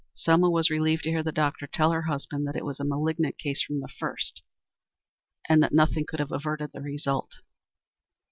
Selma was relieved to hear the doctor tell her husband that it was a malignant case from the first, and that nothing could have averted the result.